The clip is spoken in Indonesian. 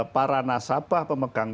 para nasabah pemegang